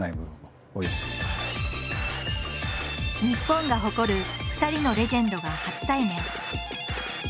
日本が誇る２人のレジェンドが初対面。